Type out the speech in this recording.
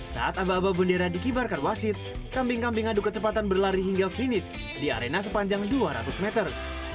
saat abah abah bundera dikibarkan wasit kambing kambing aduk kecepatan berlari hingga finish di arena sepanjang dua ratus meter